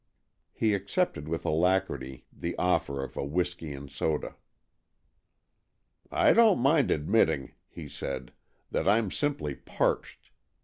'" He accepted with alacrity the offer of a whisky and soda. " I don't mind admit ting," he said, " that I'm simply parched.